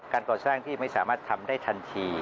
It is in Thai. ก่อสร้างที่ไม่สามารถทำได้ทันที